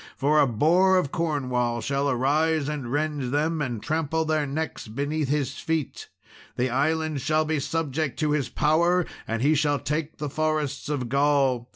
For a Boar of Cornwall shall arise and rend them, and trample their necks beneath his feet. The island shall be subject to his power, and he shall take the forests of Gaul.